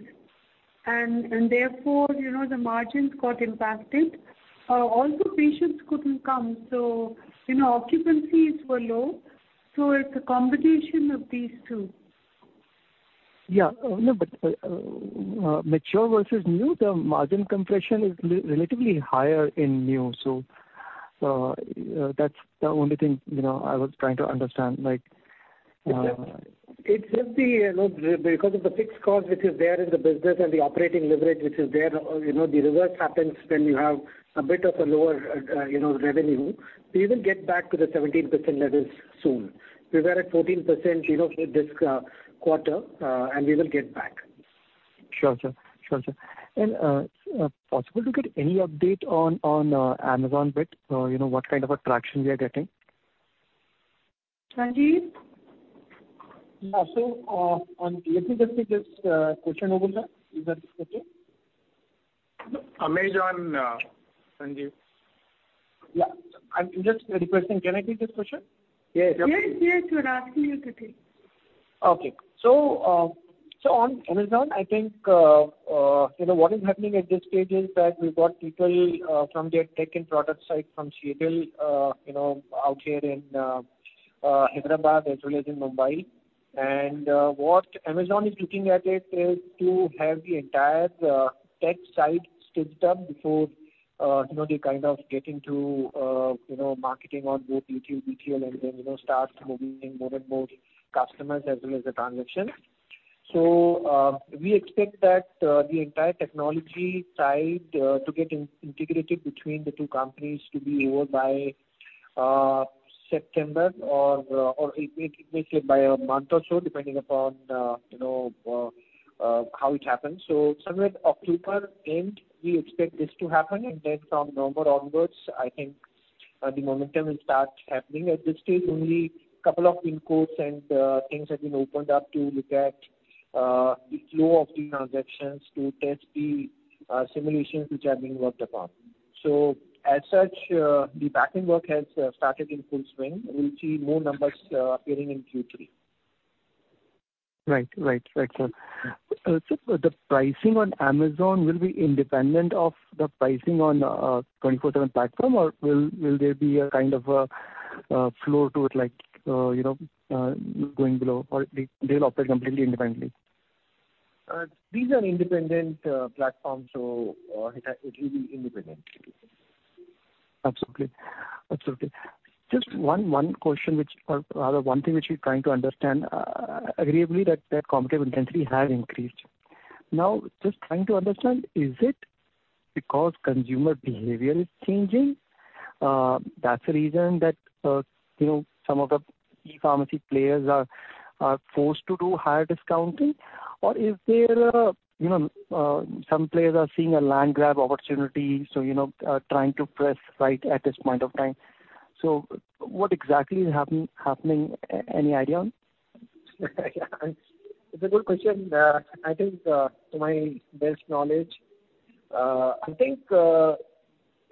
and therefore, you know, the margins got impacted. Also patients couldn't come, so you know, occupancies were low. It's a combination of these two. Yeah. No, but mature versus new, the margin compression is relatively higher in new. That's the only thing, you know, I was trying to understand, like. It's just because of the fixed cost which is there in the business and the operating leverage which is there. You know, the reverse happens when you have a bit of a lower, you know, revenue. We will get back to the 17% levels soon. We were at 14%, you know, this quarter, and we will get back. Sure, sir. Possible to get any update on Amazon bit? You know, what kind of a traction you are getting? Sanjeev. Yeah. Let me just take this question over, sir. Is that okay? Amazon, Sanjeev. Yeah. I'm just requesting, can I take this question? Yes. Yes, yes. We're asking you to take. On Amazon, I think, you know, what is happening at this stage is that we've got people from their tech and product side from Seattle, you know, out here in Hyderabad as well as in Mumbai. What Amazon is looking at is to have the entire tech side stood up before, you know, they kind of get into, you know, marketing on both B2B, B2C, and then, you know, start moving more and more customers as well as the transactions. We expect that the entire technology side to get integrated between the two companies to be over by September or it may slip by a month or so, depending upon, you know, how it happens. Somewhere October end, we expect this to happen. Then from November onwards, I think, the momentum will start happening. At this stage, only couple of pin codes and things have been opened up to look at the flow of the transactions to test the simulations which are being worked upon. As such, the backend work has started in full swing. We'll see more numbers appearing in Q3. Right, sir. Sir, the pricing on Amazon will be independent of the pricing on 24/7 platform? Or will there be a kind of a floor to it like you know going below or they they'll operate completely independently? These are independent platforms, so it will be independent. Absolutely. Just one question which, or rather one thing which we're trying to understand, admittedly that competitive intensity has increased. Now, just trying to understand, is it because consumer behavior is changing, that's the reason that you know, some of the e-pharmacy players are forced to do higher discounting? Or is there, you know, some players are seeing a land grab opportunity, so you know, trying to push right at this point of time. What exactly is happening? Any idea on? It's a good question. I think, to my best knowledge, I think,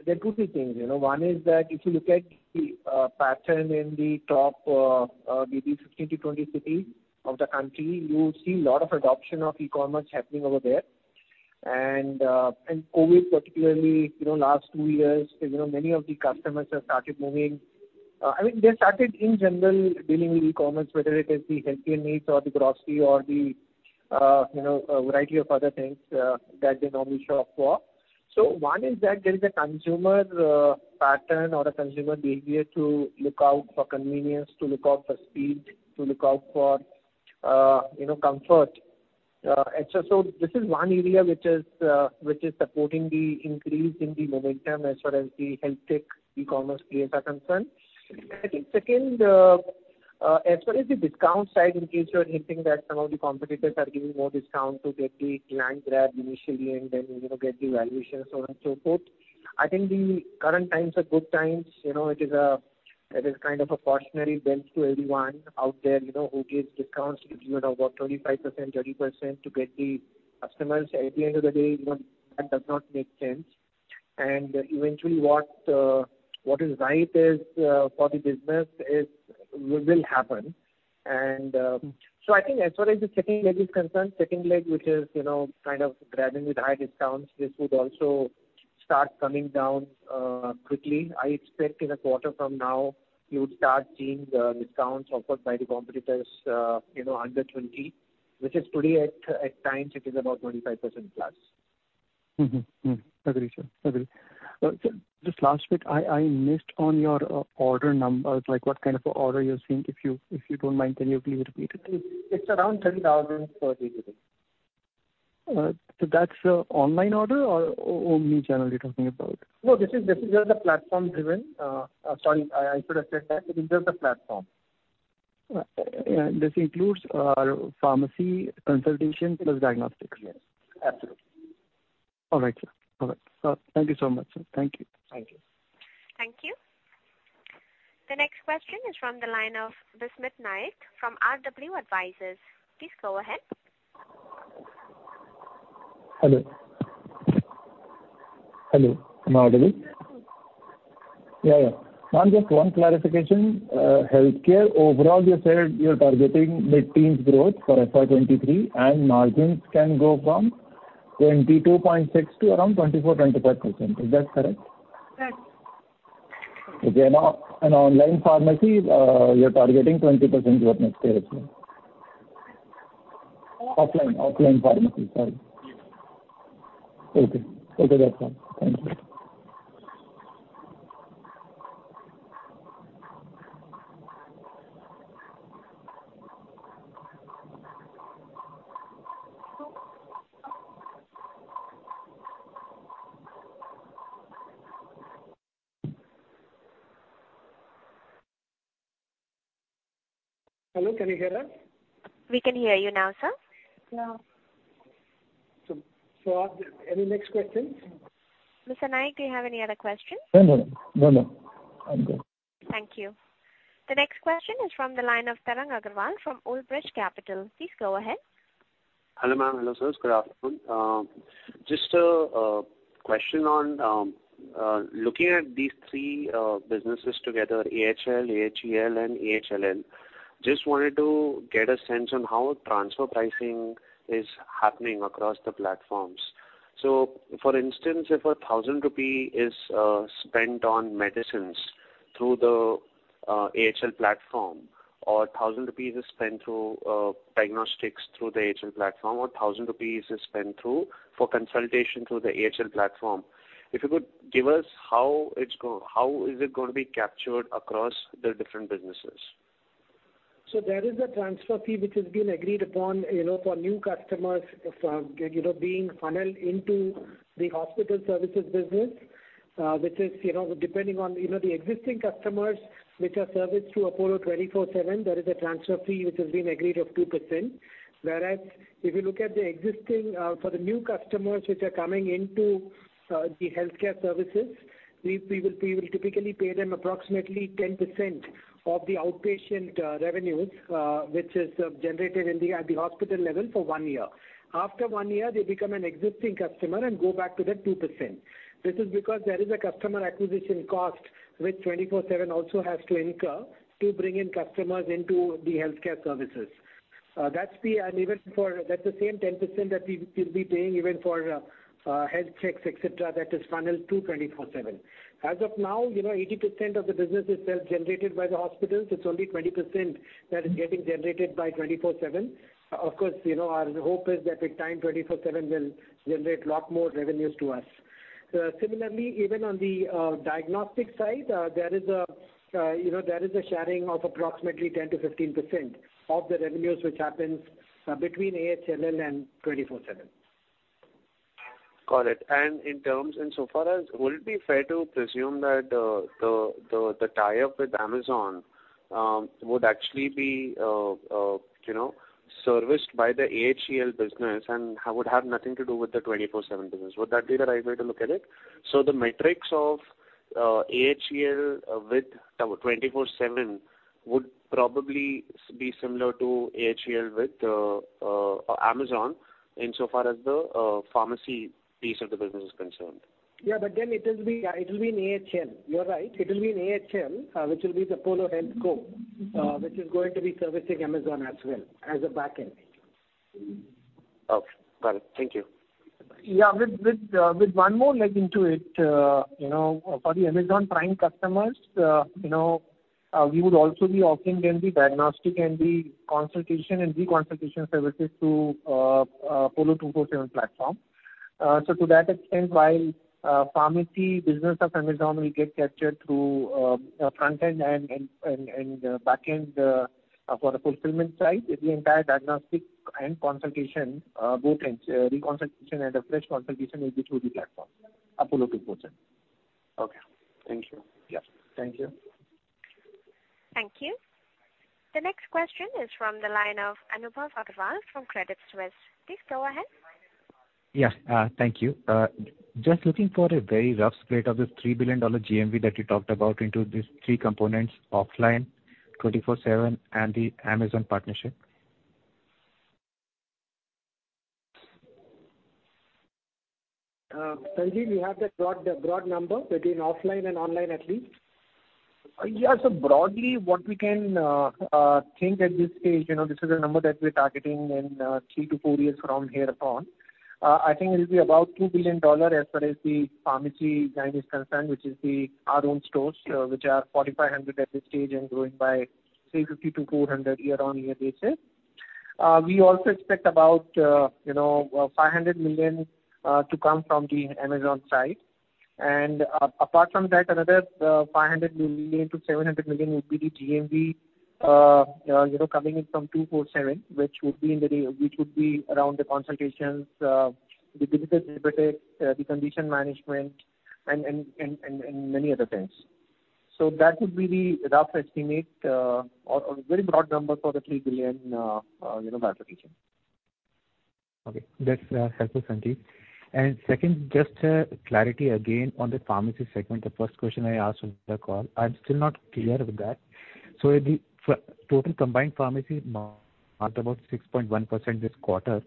there are two key things, you know. One is that if you look at the pattern in the top maybe 15-20 cities of the country, you see a lot of adoption of e-commerce happening over there. COVID particularly, you know, last two years, you know, many of the customers have started moving. I mean, they started in general dealing with e-commerce, whether it is the healthcare needs or the grocery or the, you know, a variety of other things, that they normally shop for. One is that there is a consumer pattern or a consumer behavior to look out for convenience, to look out for speed, to look out for, you know, comfort. This is one area which is supporting the increase in the momentum as far as the health tech e-commerce players are concerned. I think second, as far as the discount side, in case you're hinting that some of the competitors are giving more discount to get the land grab initially and then, you know, get the valuation so on and so forth. I think the current times are good times. You know, it is kind of a cautionary tale to everyone out there, you know, who gives discounts if you are about 25%, 30% to get the customers. At the end of the day, you know, that does not make sense. Eventually what is right for the business will happen. I think as far as the second leg is concerned, second leg which is, you know, kind of grabbing with high discounts, this would also start coming down quickly. I expect in a quarter from now, you would start seeing the discounts offered by the competitors, you know, under 20%, which is today at times it is about 25% plus. Agree, sir. Sir, just last bit, I missed on your order numbers, like what kind of order you're seeing. If you don't mind, can you please repeat it? It's around 30,000 per day. That's online order or omnichannel you're talking about? No, this is just the platform driven. Sorry, I should have said that. It is just the platform. This includes pharmacy consultations plus diagnostics. Yes, absolutely. All right, sir. All right. Thank you so much, sir. Thank you. Thank you. Thank you. The next question is from the line of Bismit Naik from RW Advisory Pte Ltd. Please go ahead. Hello? Hello, am I audible? Yes, sir. Yeah, yeah. Ma'am, just one clarification. Healthcare, overall you said you're targeting mid-teens% growth for FY23, and margins can go from 22.6% to around 24%-25%. Is that correct? Correct. Okay. Online pharmacy, you're targeting 20% growth next year as well. Uh- Offline pharmacy, sorry. Yes. Okay, that's all. Thank you. Hello, can you hear us? We can hear you now, sir. Any next questions? Mr. Naik, do you have any other questions? No, no. I'm good. Thank you. The next question is from the line of Tarang Agrawal from Old Bridge Asset Management Pvt Ltd. Please go ahead. Hello, ma'am. Hello, sirs. Good afternoon. Just a question on looking at these three businesses together, AHL, AHEL, and AHLL. Just wanted to get a sense on how transfer pricing is happening across the platforms. For instance, if 1,000 rupee is spent on medicines through the AHL platform, or 1,000 rupees is spent through diagnostics through the AHL platform, or 1,000 rupees is spent through for consultation through the AHL platform, if you could give us how is it gonna be captured across the different businesses? There is a transfer fee which has been agreed upon, you know, for new customers from, you know, being funneled into the hospital services business, which is, you know, depending on, you know, the existing customers which are serviced through Apollo 24/7, there is a transfer fee which has been agreed of 2%. Whereas if you look at the existing, for the new customers which are coming into the healthcare services, we will typically pay them approximately 10% of the outpatient revenues which is generated in the at the hospital level for one year. After one year, they become an existing customer and go back to that 2%. This is because there is a customer acquisition cost which 24/7 also has to incur to bring in customers into the healthcare services. That's the same 10% that we will be paying even for, health checks, et cetera, that is funneled through twenty-four seven. As of now, you know, 80% of the business is self-generated by the hospitals. It's only 20% that is getting generated by twenty-four seven. Of course, you know, our hope is that with time, twenty-four seven will generate lot more revenues to us. Similarly, even on the diagnostic side, you know, there is a sharing of approximately 10%-15% of the revenues which happens between AHLL and twenty-four seven. Got it. In terms and so far as, would it be fair to presume that the tie-up with Amazon would actually be, you know, serviced by the AHEL business and would have nothing to do with the 24/7 business. Would that be the right way to look at it? The metrics of AHEL with 24/7 would probably be similar to AHEL with Amazon in so far as the pharmacy piece of the business is concerned. Yeah, it will be in AHL. You are right. It will be in AHL, which will be the Apollo HealthCo, which is going to be servicing Amazon as well as a back-end. Okay. Got it. Thank you. Yeah. With one more leg into it, you know, for the Amazon Prime customers, you know, we would also be offering them the diagnostic and the consultation and re-consultation services through Apollo 24/7 platform. So to that extent, while pharmacy business of Amazon will get captured through front-end and back-end for the fulfillment side, the entire diagnostic and consultation both ends, re-consultation and a fresh consultation will be through the platform, Apollo 24/7. Okay. Thank you. Yes. Thank you. Thank you. The next question is from the line of Anubhav Aggarwal from Credit Suisse Group AG. Please go ahead. Yes. Thank you. Just looking for a very rough split of the $3 billion GMV that you talked about into these three components, offline, 24/7, and the Amazon partnership. Sanjeev, you have the broad number between offline and online at least. Broadly what we can think at this stage, you know, this is a number that we're targeting in 3-4 years from here upon. I think it'll be about $2 billion as far as the pharmacy line is concerned, which is our own stores, which are 4,500 at this stage and growing by 350-400 year-on-year basis. We also expect about, you know, $500 million to come from the Amazon side. Apart from that, another $500 million-$700 million would be the GMV, you know, coming in from 24/7, which would be around the consultations, the The condition management and many other things. That would be the rough estimate, or very broad number for the $3 billion, you know, by application. Okay. That's helpful, Sanjiv. Second, just clarity again on the pharmacy segment. The first question I asked on the call, I'm still not clear with that. The total combined pharmacy margin marked about 6.1% this quarter,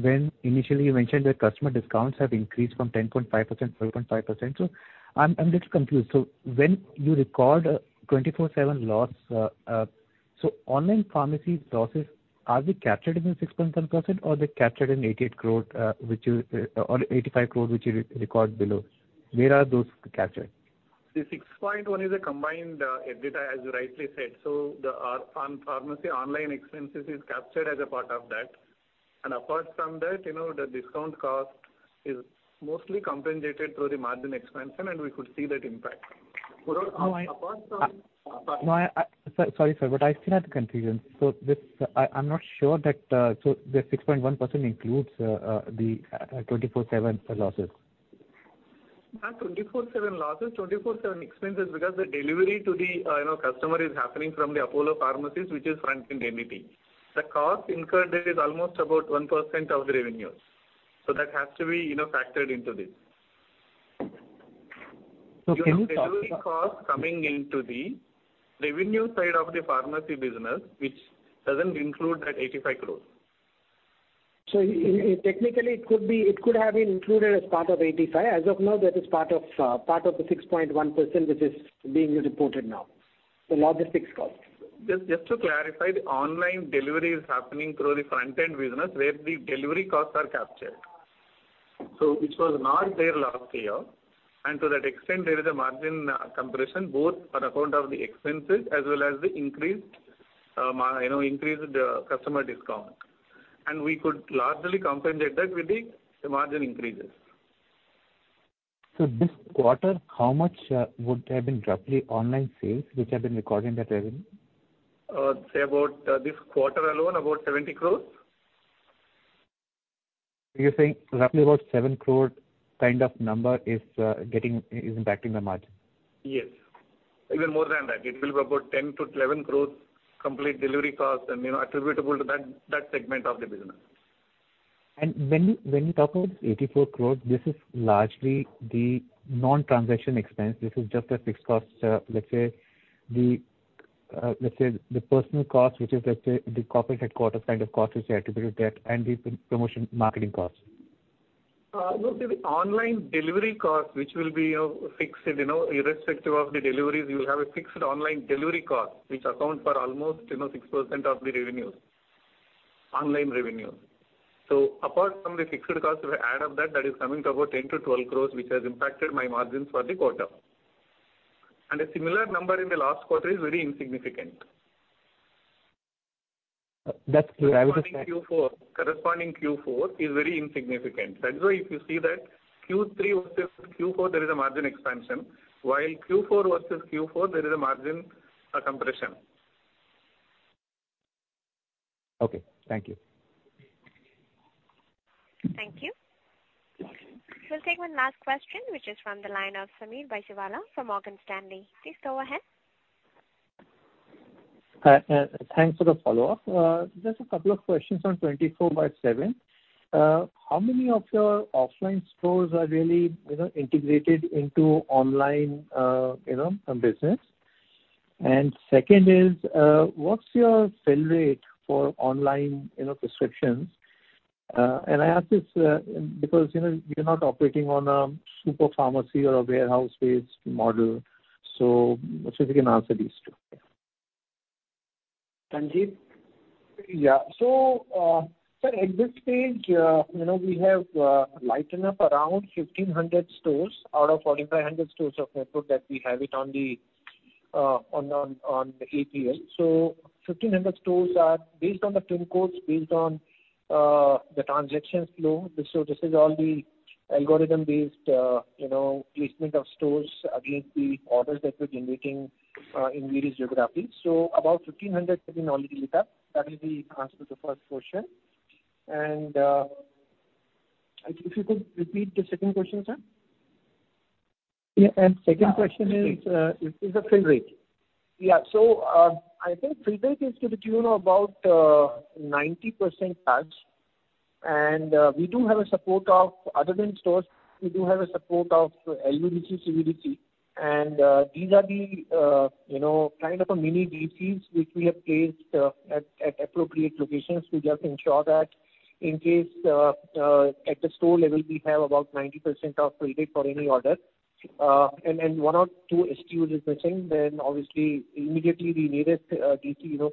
when initially you mentioned that customer discounts have increased from 10.5%, 12.5%. I'm little confused. When you record 24/7 loss, online pharmacy losses, are they captured in the 6.1% or they captured in 88 crore, which is, or 85 crore which you record below? Where are those captured? The 6.1 is a combined EBITDA, as you rightly said. Our online pharmacy expenses is captured as a part of that. Apart from that, you know, the discount cost is mostly compensated through the margin expansion, and we could see that impact. No, I- Apart from. No. Sorry, sir, but I still have the confusion. I'm not sure that, so the 6.1% includes the 24/7 losses. Not Apollo 24/7 losses, Apollo 24/7 expenses because the delivery to the, you know, customer is happening from the Apollo pharmacies, which is front-end entity. The cost incurred there is almost about 1% of the revenues. That has to be, you know, factored into this. Okay. You have delivery costs coming into the revenue side of the pharmacy business, which doesn't include that 85 crore. Technically it could be, it could have been included as part of 85. As of now, that is part of the 6.1% which is being reported now, the logistics cost. Just to clarify, the online delivery is happening through the front end business where the delivery costs are captured, which was not there last year. To that extent, there is a margin compression both on account of the expenses as well as the increased, you know, customer discount. We could largely compensate that with the margin increases. This quarter, how much would have been roughly online sales which have been recording that revenue? Say about this quarter alone, about 70 crore. You're saying roughly about 7 crore kind of number is impacting the margin? Yes. Even more than that. It will be about 10-12 crore complete delivery costs and, you know, attributable to that segment of the business. When you talk about 84 crores, this is largely the non-transaction expense. This is just a fixed cost, let's say the personnel cost, which is, let's say, the corporate headquarters kind of costs is attributed that and the promotion marketing costs. Look, the online delivery cost, which will be, you know, fixed, you know, irrespective of the deliveries, you'll have a fixed online delivery cost which account for almost, you know, 6% of the revenues, online revenues. Apart from the fixed cost, if you add up that is coming to about 10 crore-12 crore, which has impacted my margins for the quarter. A similar number in the last quarter is very insignificant. That's clear. Corresponding Q4 is very insignificant. That's why if you see that Q3 versus Q4, there is a margin expansion. While Q4 versus Q4 there is a margin compression. Okay, thank you. Thank you. We'll take one last question, which is from the line of Sameer Baisiwala from Morgan Stanley. Please go ahead. Hi, thanks for the follow-up. Just a couple of questions on 24/7. How many of your offline stores are really, you know, integrated into online, you know, business? And second is, what's your fill rate for online, you know, prescriptions? And I ask this, because, you know, you're not operating on a super pharmacy or a warehouse-based model. If you can answer these two. Sanjeev. Yeah. At this stage, you know, we have lit up around 1,500 stores out of 4,500 stores of the network that we have it on the, on the AHL. 1,500 stores are based on the pin codes, based on the transactions flow. This is all the algorithm-based, you know, placement of stores against the orders that we're generating in various geographies. About 1,500 have been already lit up. That is the answer to the first question. If you could repeat the second question, sir. Yeah. Second question is the fill rate. I think fill rate is to the tune of about 90% plus. We do have support other than stores. We do have support of LUDC, CUDC, and these are the, you know, kind of mini DCs which we have placed at appropriate locations to just ensure that in case at the store level we have about 90% of fill rate for any order. And one or two SKUs is missing, then obviously immediately the nearest DC, you know,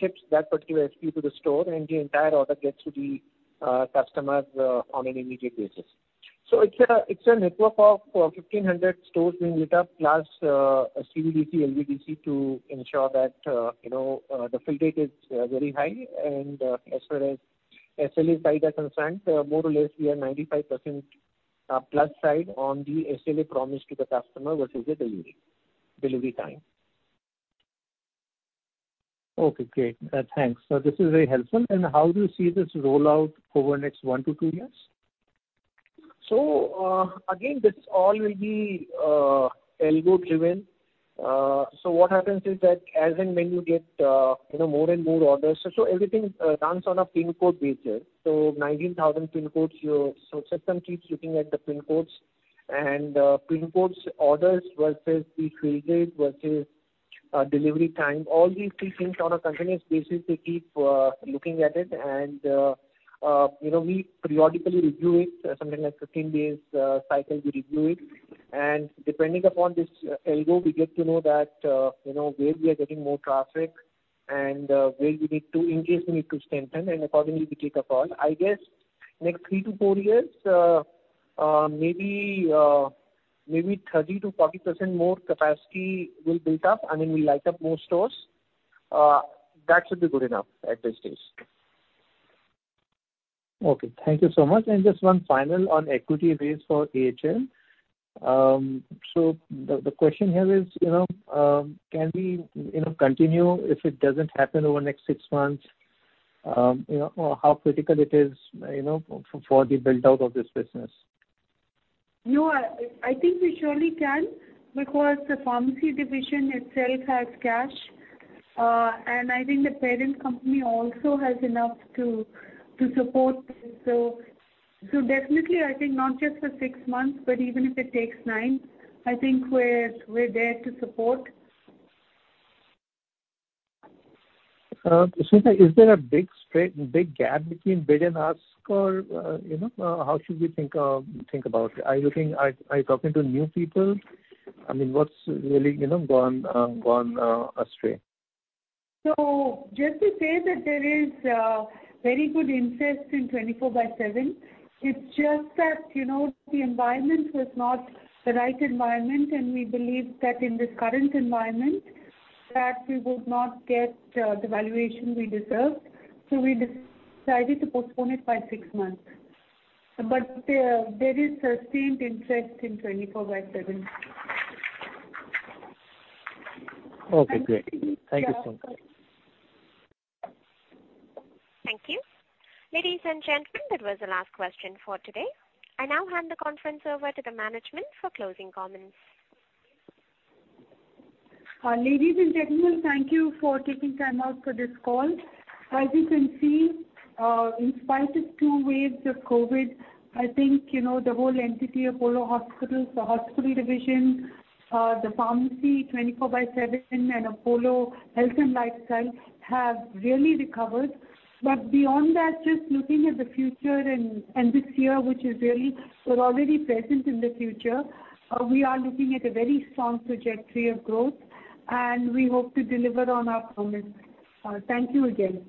ships that particular SKU to the store and the entire order gets to the customers on an immediate basis. It's a network of 1,500 stores being lit up, plus CUDC, LUDC to ensure that you know the fill rate is very high. As far as SLA side are concerned, more or less we are 95% plus side on the SLA promise to the customer versus the delivery time. Okay, great. Thanks. This is very helpful. How do you see this rollout over the next 1-2 years? Again, this all will be algo driven. What happens is that as and when you get you know more and more orders. Everything runs on a pin code basis. Nineteen thousand pin codes. System keeps looking at the pin codes and pin codes orders versus the fill rate versus delivery time. All these three things on a continuous basis, they keep looking at it. You know, we periodically review it something like 15 days cycle we review it. Depending upon this algo, we get to know that you know where we are getting more traffic and where we need to increase, we need to strengthen and accordingly we take a call. I guess next 3-4 years, maybe 30%-40% more capacity will build up and then we light up more stores. That should be good enough at this stage. Okay, thank you so much. Just one final on equity raise for AHL. So the question here is, you know, can we, you know, continue if it doesn't happen over the next six months, you know, how critical it is, you know, for the build-out of this business. No, I think we surely can, because the pharmacy division itself has cash. I think the parent company also has enough to support this. Definitely, I think not just for six months, but even if it takes nine, I think we're there to support. Suneeta, is there a big gap between bid and ask, or, you know, how should we think about it? Are you talking to new people? I mean, what's really, you know, gone astray? Just to say that there is very good interest in 24/7. It's just that, you know, the environment was not the right environment, and we believe that in this current environment that we would not get the valuation we deserved. We decided to postpone it by 6 months. There is sustained interest in 24/7. Okay, great. And- Thank you, Suneeta. Yeah. Thank you. Ladies and gentlemen, that was the last question for today. I now hand the conference over to the management for closing comments. Ladies and gentlemen, thank you for taking time out for this call. As you can see, in spite of two waves of COVID, I think, you know, the whole entity, Apollo Hospitals, the hospital division, the pharmacy, Apollo 24/7, and Apollo Health and Lifestyle have really recovered. Beyond that, just looking at the future and this year, which is really, we're already present in the future, we are looking at a very strong trajectory of growth, and we hope to deliver on our promise. Thank you again.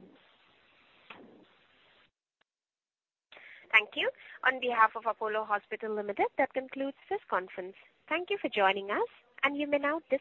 Thank you. On behalf of Apollo Hospitals Enterprise Limited, that concludes this conference. Thank you for joining us, and you may now disconnect.